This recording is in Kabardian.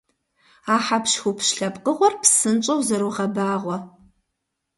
А хьэпщхупщ лъэпкъыгъуэр псынщIэу зэрогъэбагъуэ.